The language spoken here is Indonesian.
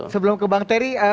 sebelum ke bang terry